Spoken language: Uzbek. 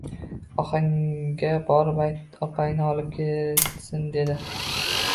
Onangga borib ayt, opangni olib ketsin, dedi